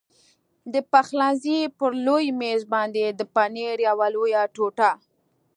د پخلنځي پر لوی مېز باندې د پنیر یوه لویه ټوټه.